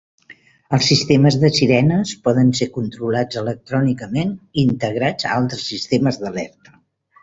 Els sistemes de sirenes poden ser controlats electrònicament i integrats a altres sistemes d'alerta.